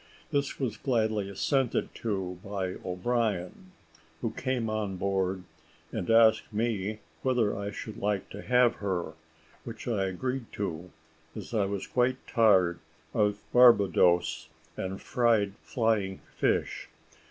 This was gladly assented to by O'Brien, who came on board and asked me whether I should like to have her, which I agreed to, as I was quite tired of Barbadoes and fried flying fish.